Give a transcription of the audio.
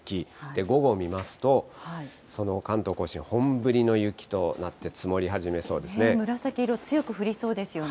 午後見ますと、その関東甲信は本降りの雪となって、積もり始めそ紫色、強く降りそうですよね。